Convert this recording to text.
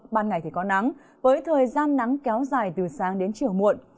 ban ngày thì có nắng với thời gian nắng kéo dài từ sáng đến chiều muộn